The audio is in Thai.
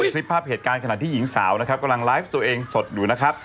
คลิปภาพเหตุการณ์ขณะที่หญิงสาวนะครับกำลังไลฟ์ตัวเองสดอยู่นะครับ